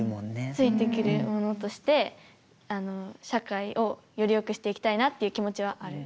ついてくるものとして社会をより良くしていきたいなという気持ちはある。